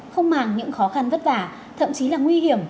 không màng những khó khăn vất vả thậm chí là nguy hiểm